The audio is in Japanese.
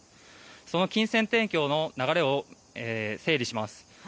その金銭提供の流れを整理します。